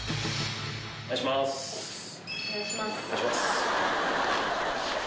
お願いします。